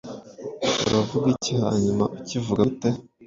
Uravuga iki hanyuma Ukivuga gute